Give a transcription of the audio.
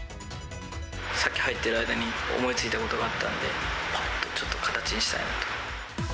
さっき入ってる間に思いついたことがあったので、ぱっとちょっと形にしたいなと。